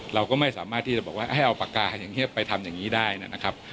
เราก็ไม่สามารถที่จะบอกว่าให้เอาปากกาอย่างนี้ไปทำอย่างนี้ได้นะครับ